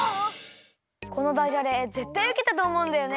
このダジャレぜったいウケたとおもうんだよね。